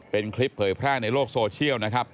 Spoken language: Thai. เป็นคลิปเผยแพร่ในโลกโซเชียลนะครับ